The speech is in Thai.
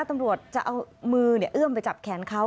ตำรวจจะเอามือเอื้อมไปจับแขนเขา